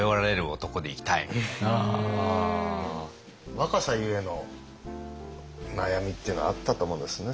若さゆえの悩みっていうのはあったと思うんですね